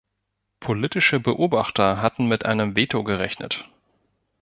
Politische Beobachter hatten mit einem Veto gerechnet.